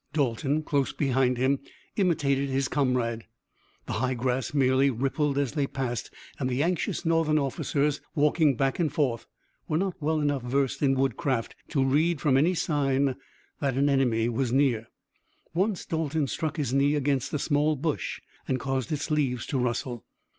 Dalton, close behind him, imitated his comrade. The high grass merely rippled as they passed and the anxious Northern officers walking back and forth were not well enough versed in woodcraft to read from any sign that an enemy was near. Once Dalton struck his knee against a small bush and caused its leaves to rustle.